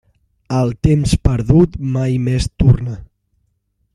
El temps perdut mai més torna.